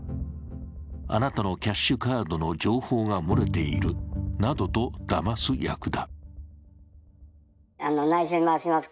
あなたのキャッシュカードの情報が漏れているなどとだます役だ。